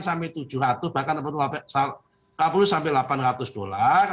sampai rp tujuh ratus bahkan rp tiga puluh sampai rp delapan ratus